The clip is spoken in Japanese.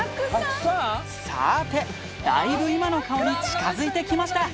さあて、だいぶ今の顔に近づいてきました。